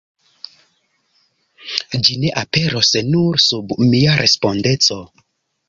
Ĝi ne aperos nur sub mia respondeco.